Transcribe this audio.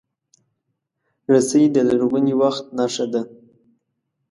رسۍ د لرغوني وخت نښه ده.